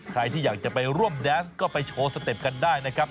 ใครที่อยากจะไปร่วมแดนส์ก็ไปโชว์สเต็ปกันได้นะครับ